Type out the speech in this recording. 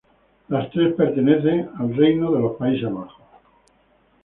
Las tres pertenecen al Reino de los Países Bajos.